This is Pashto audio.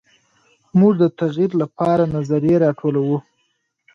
موږ د تغیر لپاره نظریې راټولوو.